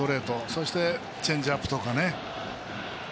そして、チェンジアップとかね。